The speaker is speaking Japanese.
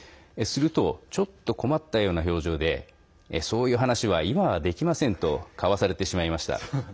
すると、ちょっと困ったような表情でそういう話は今はできませんとかわされてしまいました。